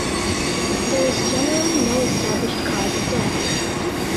There is generally no established cause of death.